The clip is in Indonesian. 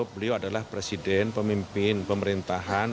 beliau adalah presiden pemimpin pemerintahan